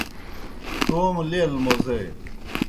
توموْ لیل موزے